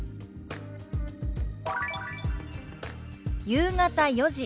「夕方４時」。